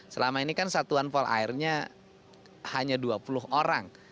selama ini kan satuan pol airnya hanya dua puluh orang